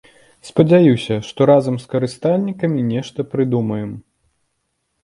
Спадзяюся, што разам з карыстальнікамі нешта прыдумаем.